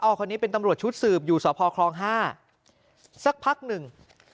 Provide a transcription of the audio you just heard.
คนนี้เป็นตำรวจชุดสืบอยู่สพคลอง๕สักพักหนึ่ง